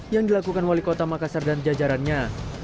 yang dilakukan wali kota makassar dan jajarannya